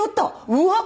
うわっ！